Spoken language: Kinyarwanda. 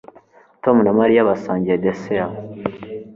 Tom na Mariya basangiye desert